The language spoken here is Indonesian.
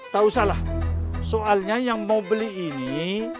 tahu salah soalnya yang mau beli ini